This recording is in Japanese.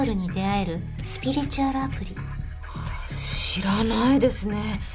知らないですね。